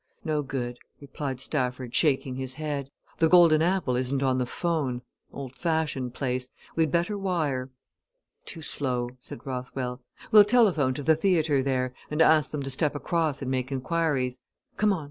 "No good," replied Stafford, shaking his head. "The 'Golden Apple' isn't on the 'phone old fashioned place. We'd better wire." "Too slow," said Rothwell. "We'll telephone to the theatre there, and ask them to step across and make inquiries. Come on!